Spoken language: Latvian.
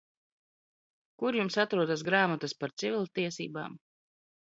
Kur jums atrodas gr?matas par civilties?b?m?